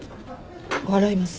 笑います。